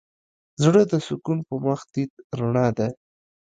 زړه د سکون په مخ تيت رڼا ده.